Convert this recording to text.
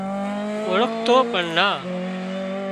اوۯکتو پڻ نا